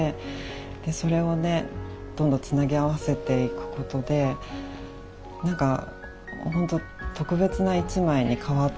でそれをねどんどんつなぎ合わせていくことでなんかほんと特別な１枚に変わったっていう印象がありますね